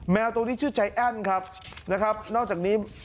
ตัวนี้ชื่อใจแอ้นครับนะครับนอกจากนี้